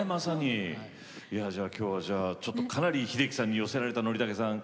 今日はかなり秀樹さんに寄せられた憲武さん